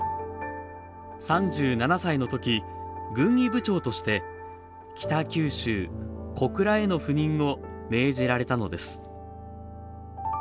３７歳のとき、軍医部長として、北九州・小倉への赴任を命じられたのです。